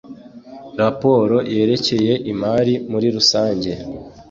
raporo yerekeye imari muri rusange